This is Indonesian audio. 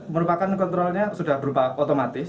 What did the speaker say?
merupakan kontrolnya sudah berupa otomatis